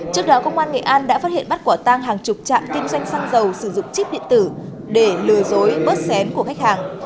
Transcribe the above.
trước đó công an nghệ an đã phát hiện bắt quả tang hàng chục trạm kinh doanh xăng dầu sử dụng chip điện tử để lừa dối bớt xén của khách hàng